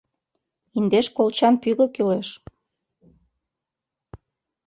Индеш колчан пӱгӧ кӱлеш.